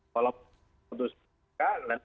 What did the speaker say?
kalau putus nk dan nk